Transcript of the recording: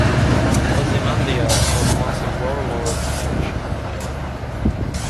Ozymandias was once a warlord in Ancient Egypt.